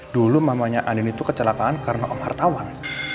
dulu mamanya andin itu kecelakaan karena om hartawan